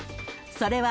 それは］